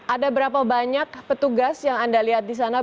ada berapa banyak petugas yang anda lihat di sana